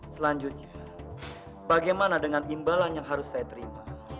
selanjutnya bagaimana dengan imbalan yang harus saya terima